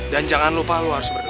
dan jangan lupa lu harus berdoa